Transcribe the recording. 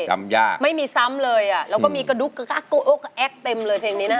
จำยากไม่มีซ้ำเลยมาแล้วก็มีกระดุกก็ก็โอ้กะแอ๊กเพียงเป็นเพลงนี้นะฮะ